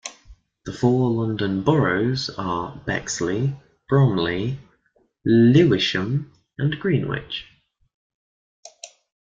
The four London boroughs are Bexley, Bromley, Lewisham and Greenwich.